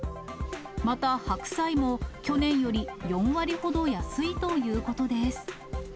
また、白菜も去年より４割ほど安いということです。